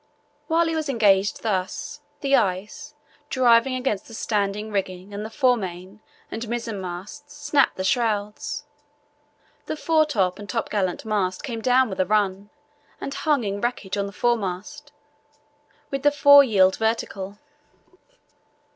While he was engaged thus, the ice, driving against the standing rigging and the fore , main and mizzen masts, snapped the shrouds. The foretop and topgallant mast came down with a run and hung in wreckage on the fore mast, with the fore yard vertical.